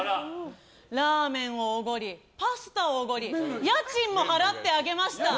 ラーメンをおごりパスタをおごり家賃も払ってあげました。